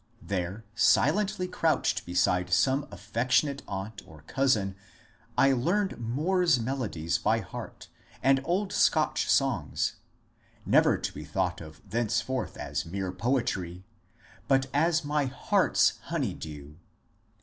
There, silently crouched beside some affec tionate aunt or cousin, I learned Moore's melodies by heart, and old Scotch songs, — never to be thought of thenceforth as mere poetry, but as my heart's honey dew.